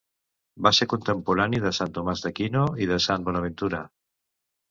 Va ser contemporani de Sant Tomàs d'Aquino i de Sant Bonaventura.